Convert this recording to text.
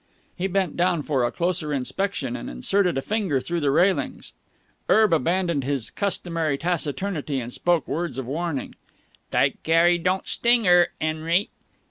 He bent down for a closer inspection, and inserted a finger through the railings. Erb abandoned his customary taciturnity and spoke words of warning. "Tike care 'e don't sting yer, 'Enry!"